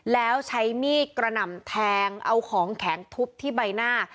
แล้วใช้มีดกระหน่ำแทงเอาของแข็งทุบที่ใบหน้า